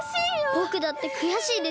ぼくだってくやしいです。